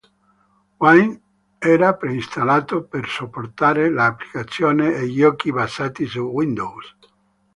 Wine era preinstallato per supportare applicazioni e giochi basati su Windows.